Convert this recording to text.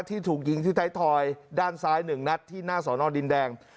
ถูกยิงที่ไทยทอยด้านซ้าย๑นัดที่หน้าสอนอดินแดง